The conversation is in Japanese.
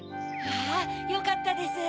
わぁよかったです。